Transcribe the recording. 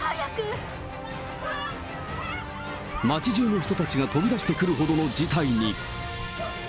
町じゅうの人たちが飛び出してくるほどの事態に。